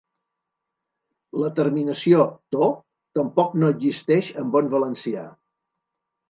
La terminació -to-, tampoc no existeix en bon valencià.